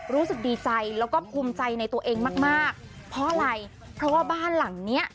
รู้สึกดีใจแล้วก็ภูมิใจในตัวเองมากมากเพราะอะไรเพราะว่าบ้านหลังเนี้ย